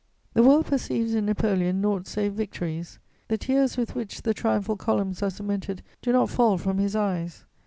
The world perceives in Napoleon naught save victories; the tears with which the triumphal columns are cemented do not fall from his eyes.